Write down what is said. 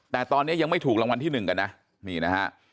แต่ตอนนี้ยังไม่ถูกรางวัลที่๑กันนะ